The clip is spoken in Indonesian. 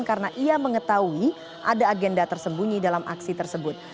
karena ia mengetahui ada agenda tersembunyi dalam aksi tersebut